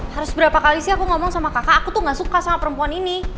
harus berapa kali sih aku ngomong sama kakak aku tuh gak suka sama perempuan ini